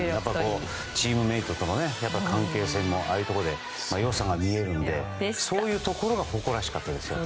チームメートとの関係性もああいうところで良さが見えるのでそういうところが誇らしかったですよ。